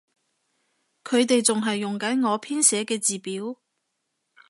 佢哋仲係用緊我編寫嘅字表